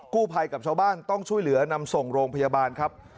กู้ภัยกับชาวบ้านต้องช่วยเหลือนำส่งโรงพยาบาลครับ